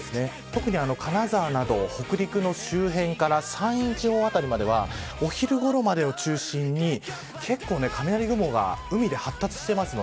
特に金沢など北陸の周辺から山陰地方辺りまではお昼ごろまでを中心に結構、雷雲が海で発達しています。